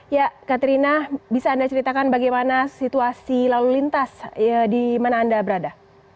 ya katrina bisa anda ceritakan bagaimana situasi lalu lintas di mana anda berada